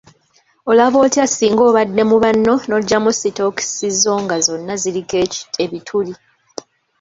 Olaba otya singa obadde mu banno n'ojjamu sitookisi zo nga zonna ziriko ebituli.